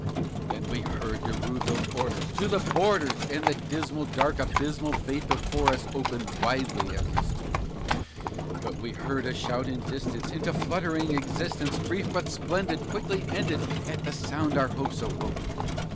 Then we heard De Rouville's orders, "To the borders!" and the dismal, Dark abysmal fate before us opened widely as he spoke; But we heard a shout in distance into fluttering existence, Brief but splendid, quickly ended, at the sound our hopes awoke.